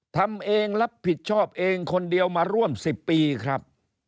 ทำเองรับผิดชอบเองคนเดียวมาร่วม๑๐ปีครับ